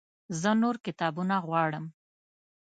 زه نور کتابونه غواړم